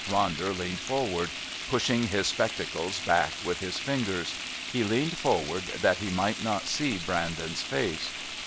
Ronder leaned forward, pushing his spectacles back with his fingers. He leaned forward that he might not see Brandon's face.